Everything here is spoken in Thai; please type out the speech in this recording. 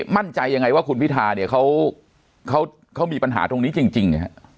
มั่นใจยังไงว่าคุณพิธาเนี่ยเขามีปัญหาตรงนี้จริง